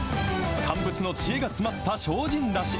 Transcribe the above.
乾物の知恵が詰まった精進だし。